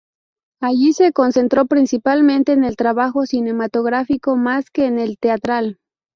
Allí se concentró principalmente en el trabajo cinematográfico más que en el teatral.